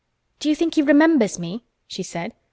"Do you think he remembers me?" she said.